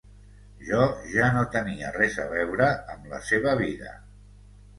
Jo ja no tenia res a veure amb la seva vida.